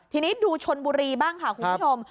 ทีนี้ดูชนบุรีบ้างค่ะคุณผู้ชม